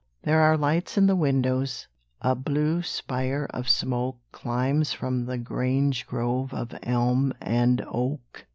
There are lights in the windows; a blue spire of smoke Climbs from the grange grove of elm and oak.